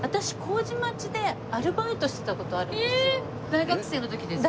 大学生の時ですか？